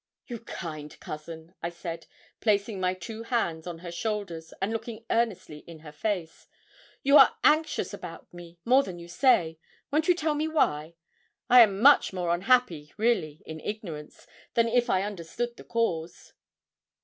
'You kind cousin!' I said, placing my two hands on her shoulders, and looking earnestly in her face; 'you are anxious about me, more than you say. Won't you tell me why? I am much more unhappy, really, in ignorance, than if I understood the cause.'